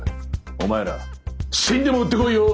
お前ら死んでも売ってこいよ。